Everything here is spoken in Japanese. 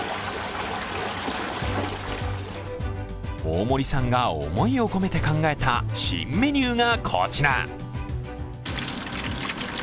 大森さんが思いを込めて考えた新メニューがこちら。